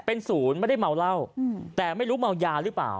เป็นศูนย์ไม่ได้เมาเหล้าแต่ไม่รู้เมายาหรือเปล่า